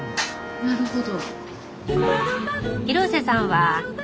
なるほど。